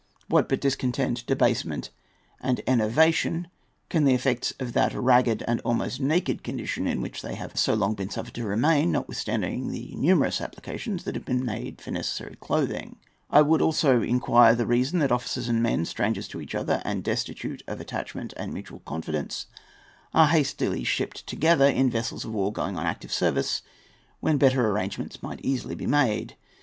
What but discontent, debasement, and enervation, can be the effects of that ragged and almost naked condition in which they have so long been suffered to remain, notwithstanding the numerous applications that have been made for the necessary clothing? I would also inquire the reason that officers and men, strangers to each other, and destitute of attachment and mutual confidence, are hastily shipped together in vessels of war going on active service, when better arrangements might easily be made.